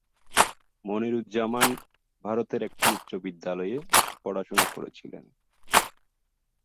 মনিরুজ্জামান ভারতের একটি উচ্চ বিদ্যালয়ে পড়াশোনা করেছিলেন।